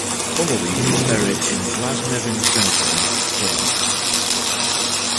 Connolly is buried in Glasnevin Cemetery, Dublin.